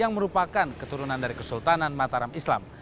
yang merupakan keturunan dari kesultanan mataram islam